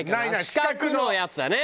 四角のやつだね。